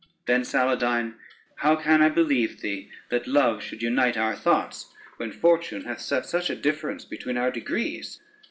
Then, Saladyne, how can I believe thee that love should unite our thoughts, when fortune hath set such a difference between our degrees?